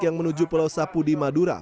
yang menuju pulau sapu di madura